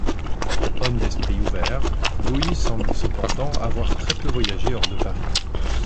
Homme d’esprit ouvert, Gouye semble cependant avoir très peu voyagé hors de Paris.